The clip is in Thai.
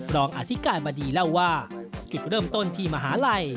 รองอธิการบดีเล่าว่าจุดเริ่มต้นที่มหาลัย